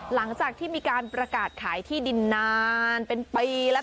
หลังจากที่มีการประกาศขายที่ดินนานเป็นปีแล้ว